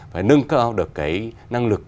phải nâng cao được cái năng lực